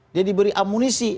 dia diberi amunisi